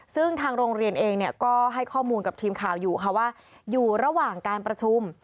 ซึ่งทางโรงเรียนเองก็ให้ข้อมูลกับทีมข่าวอยู่ค่ะว่าอยู่ระหว่างการประชุม